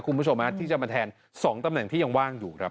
คุณผู้ชมที่จะมาแทน๒ตำแหน่งที่ยังว่างอยู่ครับ